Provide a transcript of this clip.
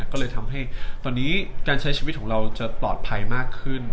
ก็เลยทำให้ตอนนี้การใช้ชีวิตของเราจะปลอดภัยมากขึ้น